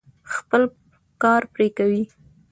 خپل کار پرې کوي.